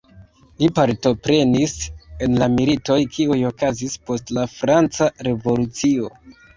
Li partoprenis en la militoj kiuj okazis post la Franca Revolucio.